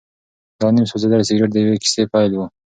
دا نیم سوځېدلی سګرټ د یوې کیسې پیل و.